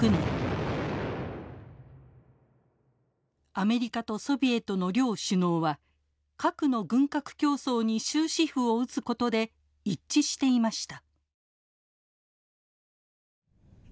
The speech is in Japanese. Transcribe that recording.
アメリカとソビエトの両首脳は核の軍拡競争に終止符を打つことで一致していました。